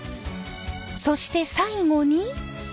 そして最後に。